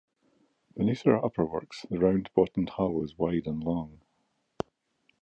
Beneath her upperworks, the round-bottomed hull is wide and long.